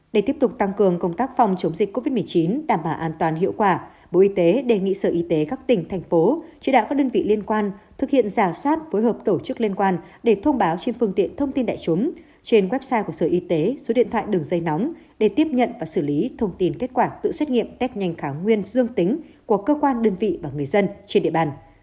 để tiếp tục tăng cường công tác phòng chống dịch covid một mươi chín đảm bảo an toàn hiệu quả bộ y tế đề nghị sở y tế các tỉnh thành phố chế đạo các đơn vị liên quan thực hiện giả soát phối hợp tổ chức liên quan để thông báo trên phương tiện thông tin đại chúng trên website của sở y tế số điện thoại đường dây nóng để tiếp nhận và xử lý thông tin kết quả tự xét nghiệm test nhanh kháng nguyên xương tính của cơ quan đơn vị và người dân trên địa bàn